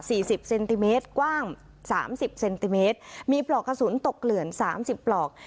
สิบเซนติเมตรกว้างสามสิบเซนติเมตรมีปลอกกระสุนตกเกลื่อนสามสิบปลอก